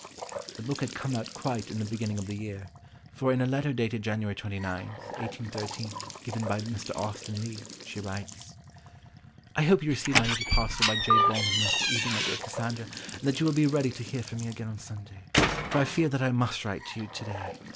The book had come out quite in the beginning of the year, for in a letter dated Jan. 29, 1813, given by Mr. Austen Leigh, she writes— "I hope you received my little parcel by J. Bond on Wednesday evening, my dear Cassandra, and that you will be ready to hear from me again on Sunday, for I feel that I must write to you to day.